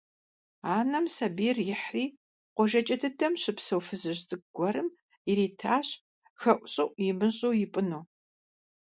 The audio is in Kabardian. Анэм сабийр ихьри къуажэкӀэ дыдэм щыпсэу фызыжь цӀыкӀу гуэрым иритащ хэӀущӀыӀу имыщӀу ипӀыну.